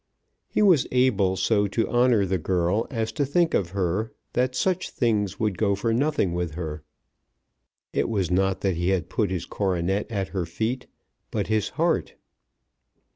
He was able so to honour the girl as to think of her that such things would go for nothing with her. It was not that he had put his coronet at her feet, but his heart.